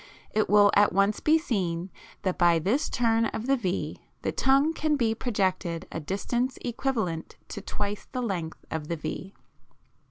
It will at once be seen that by this turn of the V the tongue can be projected a distance equivalent to twice the length of the V.